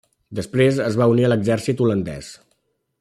Després es va unir a l'exèrcit holandès.